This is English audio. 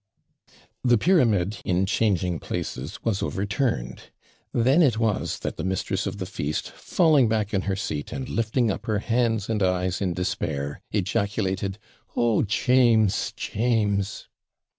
The pyramid, in changing places, was overturned. Then it was that the mistress of the feast, falling back in her seat, and lifting up her hands and eyes in despair, ejaculated, 'Oh, James! James!'